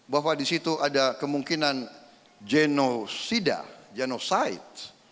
bahwa di situ ada kemungkinan genosida genosite